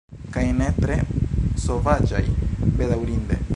Kaj ne tre sovaĝaj, bedaŭrinde.